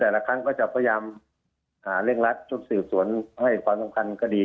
แต่ละครั้งก็จะพยายามหาเร่งรัดชุดสืบสวนให้ความสำคัญก็ดี